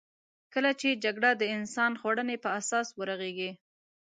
کله چې جګړه د انسان خوړنې په اساس ورغېږې.